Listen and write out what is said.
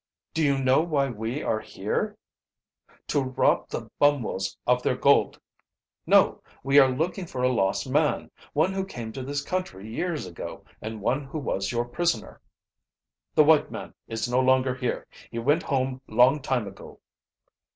"Do you know why we are here?" "To rob the Bumwos of their gold." "No; we are looking for a lost man, one who came to this country years ago and one who was your prisoner " "The white man is no longer here he went home long time ago."